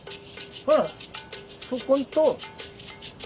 ほらそこんと。